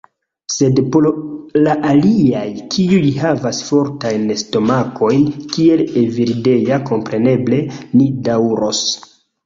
Sed por la aliaj, kiuj havas fortajn stomakojn, kiel Evildea. Kompreneble, ni daŭros.